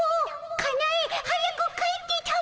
かなえ早く帰ってたも。